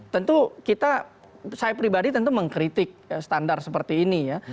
tentu kita saya pribadi tentu mengkritik standar seperti ini ya